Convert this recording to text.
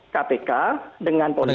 kpk dengan polisi